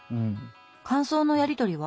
感想のやり取りは？